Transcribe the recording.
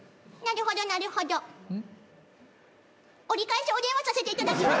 折り返しお電話させていただきます。